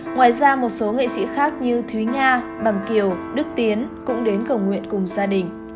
ngoài ra một số nghệ sĩ khác như thúy nga bằng kiều đức tiến cũng đến cầu nguyện cùng gia đình